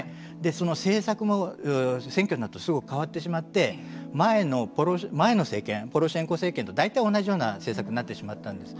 その政策も選挙になるとすぐ変わってしまって前の政権ポロシェンコ政権と大体同じ政策になってしまったんです。